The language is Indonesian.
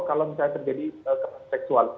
kalau misalnya terjadi kekerasan seksual